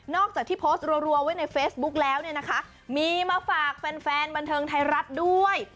อกจากที่โพสต์รัวไว้ในเฟซบุ๊กแล้วเนี่ยนะคะมีมาฝากแฟนบันเทิงไทยรัฐด้วย